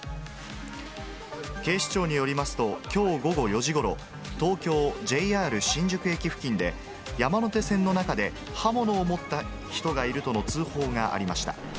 警視庁によりますと、きょう午後４時ごろ、東京・ＪＲ新宿駅付近で、山手線の中で刃物を持った人がいるとの通報がありました。